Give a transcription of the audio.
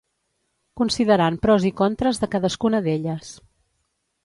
considerant pros i contres de cadascuna d'elles